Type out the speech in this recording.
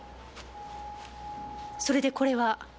それでこれは？